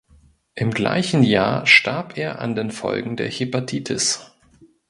Im gleichen Jahr starb er an den Folgen der Hepatitis.